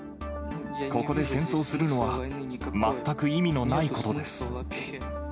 ここで戦争するのは、全く意味のないことです。